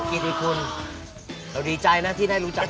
กิตติคุณเรารีใจนะที่ได้รู้จักคุณ